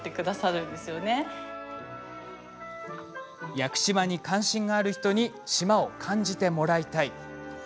屋久島に関心がある人に島を感じてもらいたい。